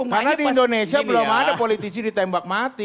karena di indonesia belum ada politisi ditembak mati